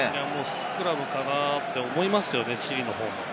スクラムかなって思いますよね、チリの方も。